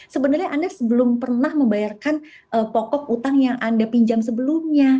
sebenarnya anda belum pernah membayarkan pokok utang yang anda pinjam sebelumnya